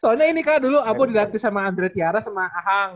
soalnya ini kak dulu abu dilatih sama andre tiara sama ahang